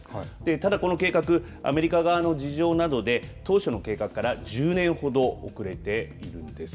ただ、この計画アメリカ側の事情などで当初の計画から１０年ほど遅れているんです。